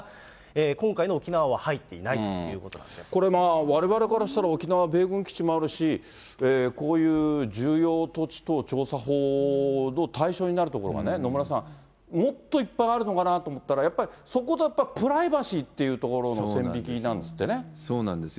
今回の沖縄は入っていないというこれ、われわれからしたら、沖縄、米軍基地もあるし、こういう重要土地等調査法の対象になる所がね、野村さん、もっといっぱいあるのかなと思ったら、やっぱりそことやっぱりプライバシーというところの線引きなんでそうなんですよ。